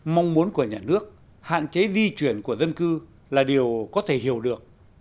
mong muốn của nhà nước hạn chế di chuyển của dân cư là điều có thể hiểu được